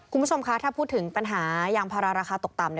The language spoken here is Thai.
คุณผู้ชมคะถ้าพูดถึงปัญหายางพาราราคาตกต่ำ